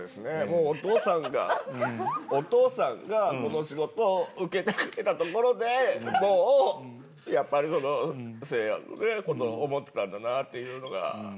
もうお父さんがお父さんがこの仕事受けてくれたところでもうやっぱりせいやの事思ってたんだなっていうのがあるから。